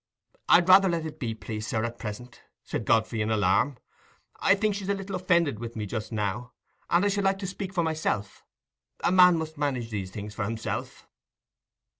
"I'd rather let it be, please sir, at present," said Godfrey, in alarm. "I think she's a little offended with me just now, and I should like to speak for myself. A man must manage these things for himself."